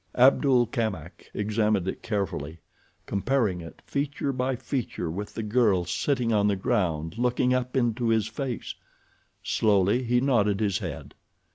Abdul Kamak examined it carefully, comparing it, feature by feature with the girl sitting on the ground looking up into his face. Slowly he nodded his head.